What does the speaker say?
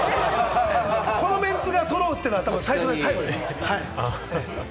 このメンツがそろうっていうのは最初で最後ですね。